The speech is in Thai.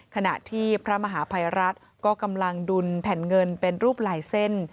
ขณะที่พระมหาภัยรัฐก็กำลังดุลแผ่นเงินเป็นรูปลายเส้น